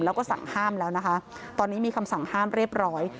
แล้วก็สั่งห้ามแล้วนะคะตอนนี้มีคำสั่งห้ามเรียบร้อย